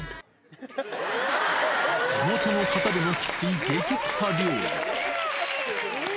地元の方でもきつい、激臭料理。